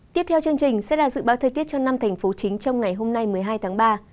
tiếp theo chương trình sẽ là dự báo thời tiết cho năm thành phố chính trong ngày hôm nay một mươi hai tháng ba